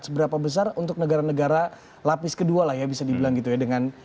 seberapa besar untuk negara negara lapis kedua lah ya bisa dibilang gitu ya